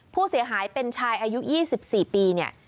ผู้เสียหายเป็นชายอายุ๒๔ปีเนี่ย